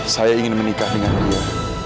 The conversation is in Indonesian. saya ingin menikah dengan beliau